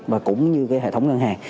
và cũng như cái hệ thống ngân hàng